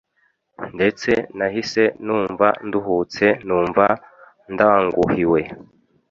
ndetse nahise numva nduhutse numva ndanguhiwe